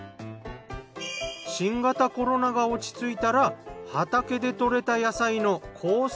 新型コロナが落ち着いたら畑で採れた野菜のコース